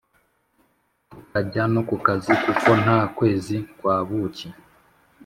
tukajya no kukazi kuko nta kwezi kwa buki